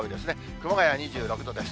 熊谷２６度です。